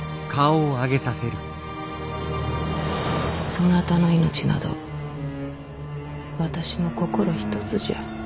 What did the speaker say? そなたの命など私の心ひとつじゃ。